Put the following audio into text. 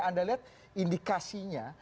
anda lihat indikasinya